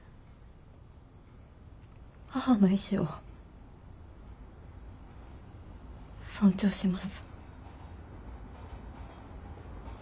母の意思を尊重します。